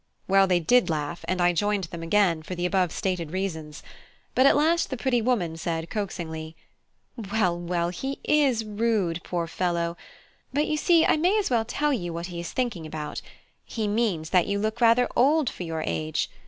Well, they did laugh, and I joined them again, for the above stated reasons. But at last the pretty woman said coaxingly "Well, well, he is rude, poor fellow! but you see I may as well tell you what he is thinking about: he means that you look rather old for your age.